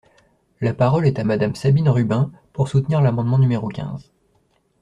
La parole est à Madame Sabine Rubin, pour soutenir l’amendement numéro quinze.